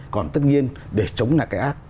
còn tất nhiên để chống lại cái ác